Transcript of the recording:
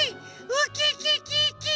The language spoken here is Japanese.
ウキキキキ！